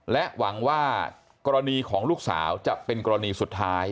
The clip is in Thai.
และหวังว่ากรณีของลูกสาวจะเป็นกรณีสุดท้าย